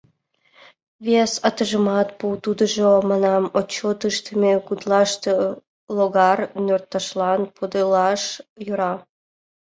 Вес атыжымат пу, тудыжо, манам, отчёт ыштыме гутлаште логар нӧрташлан подылаш йӧра.